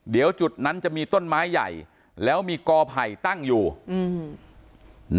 เดี๋ยวจุดนั้นจะมีต้นไม้ใหญ่แล้วมีกอไผ่ตั้งอยู่อืม